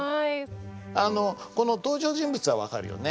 あのこの登場人物は分かるよね？